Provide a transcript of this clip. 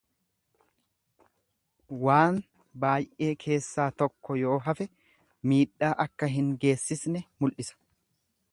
Waan baay'ee keessaa tokko yoo hafe miidhaa akka hin geessisne mul'isa.